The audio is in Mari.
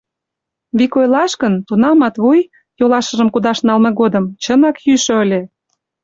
Вик ойлаш гын, тунам Матвуй, йолашыжым кудаш налме годым, чынак йӱшӧ ыле.